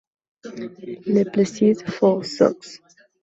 Le Plessis-Feu-Aussoux